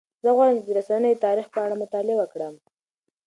زه غواړم چې د رسنیو د تاریخ په اړه مطالعه وکړم.